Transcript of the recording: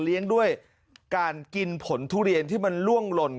ด้วยการกินผลทุเรียนที่มันล่วงหล่น